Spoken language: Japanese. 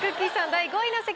第５位の席。